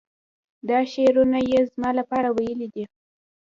دا شعرونه یې زما لپاره ویلي دي.